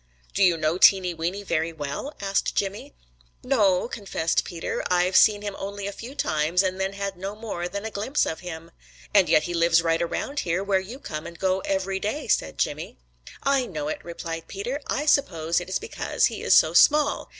"Do you know Teeny Weeny very well?" asked Jimmy. "No," confessed Peter. "I've seen him only a few times and then had no more than a glimpse of him." "And yet he lives right around here where you come and go every day," said Jimmy. "I know it," replied Peter. "I suppose it is because he is so small.